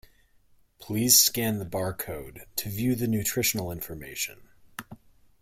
Please scan the bar code to view the nutritional information.